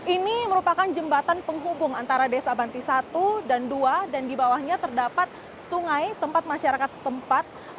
ini merupakan jembatan penghubung antara desa banti satu dan dua dan di bawahnya terdapat sungai tempat masyarakat setempat